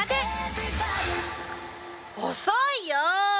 遅いよ！